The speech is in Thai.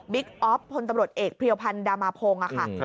อ๊อฟพลตำรวจเอกเพรียวพันธ์ดามาพงศ์ค่ะ